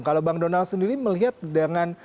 kalau bang donald sendiri melihat dengan